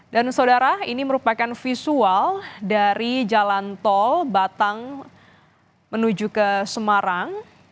dan saudara ini merupakan visual dari jalan tol batang menuju ke semarang